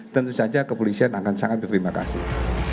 tentu saja kepolisian akan sangat berterima kasih